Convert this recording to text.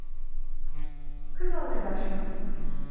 Kız arkadaş mı?